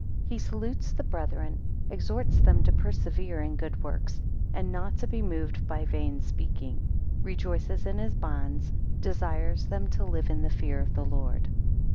1 He salutes the brethren; 3 exhorts them to persevere in good works, 4 and not to be moved by vain speaking. 6 Rejoices in his bonds, 10 desires them to live in the fear of the Lord.